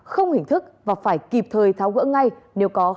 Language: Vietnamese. không hình thức và phải kịp thời tháo gỡ ngay nếu có khó khăn